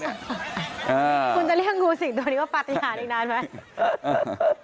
คุณจะเรียกงูสิงตัวนี้ว่าปฏิหารอีกนานไหม